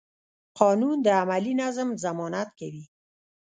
قانون د عملي نظم ضمانت کوي.